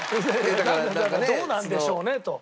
だからどうなんでしょうねと。